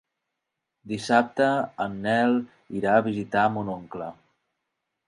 Dissabte en Nel irà a visitar mon oncle.